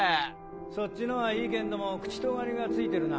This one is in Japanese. そっちのはいいけんどもクチトガリがついてるな。